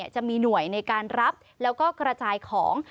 จะมีหน่วยในการรับแล้วก็กระจายของ